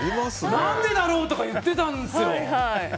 何でだろうとか言ってたんですよ。